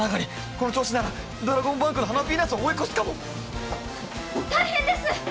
この調子ならドラゴンバンクの花ヴィーナスを追い越すかも大変です！